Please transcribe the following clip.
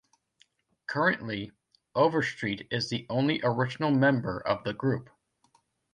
Currently, Overstreet is the only original member of the group.